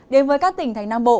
đến với các tỉnh thành nam bộ